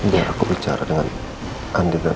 biar aku bicara dengan andi dan al